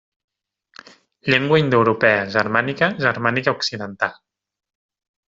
Llengua indoeuropea, germànica, germànica occidental.